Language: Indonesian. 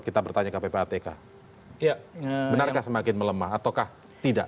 kita bertanya ke ppatk ya benarkah semakin melemah ataukah tidak